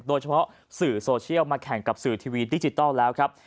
โดยเฉพาะสื่อโซเชียลมาแข่งกับสื่อทีวีดิจิทัลแล้วครับ